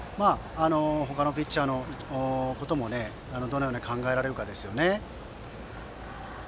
他のピッチャーのこともどのように考えられるかですね。